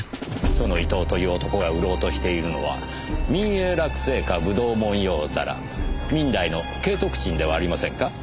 その伊藤という男が売ろうとしているのは明永楽青花葡萄文様皿明代の景徳鎮ではありませんか？